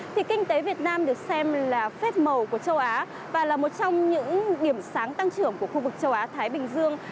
thì kinh tế việt nam được xem là phép màu của châu á và là một trong những điểm sáng tăng trưởng của khu vực châu á thái bình dương